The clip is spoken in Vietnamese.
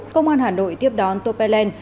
công an hà nội tiếp đón topelec